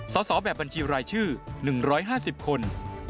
สอบแบบบัญชีรายชื่อ๑๕๐คน